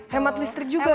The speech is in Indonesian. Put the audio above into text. hemat listrik juga ya